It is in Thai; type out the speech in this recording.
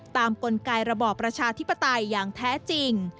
กลไกรระบอบประชาธิปไตยอย่างแท้จริง